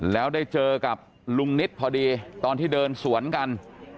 แล้วได้เจอกับลุงนิดพอดีตอนที่เดินสวนกัน